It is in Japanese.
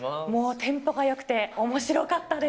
テンポがよくて、おもしろかったです。